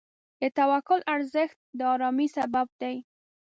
د توکل ارزښت د آرامۍ سبب دی.